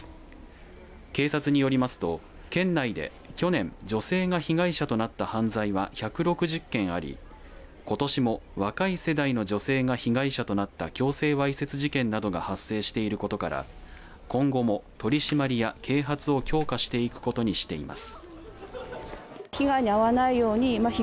警察によりますと県内で去年、女性が被害者となった犯罪は１６０件ありことしも若い世代の女性が被害者となった強制わいせつ事件などが発生していることから今後も取り締まりや啓発を強化していくことにしています。